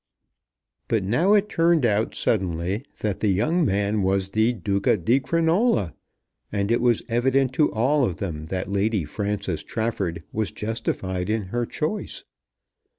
But now it turned out suddenly that the young man was the Duca di Crinola, and it was evident to all of them that Lady Frances Trafford was justified in her choice.